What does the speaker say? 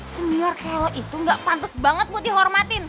senior kayak lo itu gak pantes banget buat dihormatin